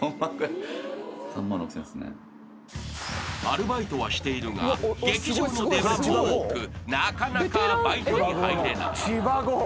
［アルバイトはしているが劇場の出番も多くなかなかバイトに入れない］